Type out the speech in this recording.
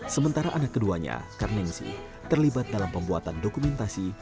sementara anak keduanya karnengsi terlibat dalam pembuatan dokumentasi